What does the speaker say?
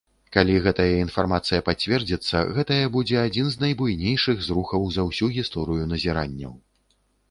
Калі гэтая інфармацыя пацвердзіцца, гэтае будзе адзін з найбуйнейшых зрухаў за ўсю гісторыю назіранняў.